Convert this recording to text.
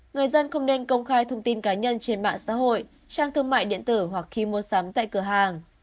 người dân không nên công khai thông tin cá nhân trên mạng xã hội trang thương mại điện tử hoặc khi mua sắm tại cửa hàng